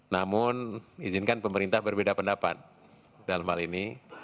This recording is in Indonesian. namun izinkan pemerintah berbeda pendapat dalam hal ini